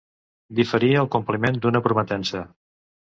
Diferir el compliment d'una prometença.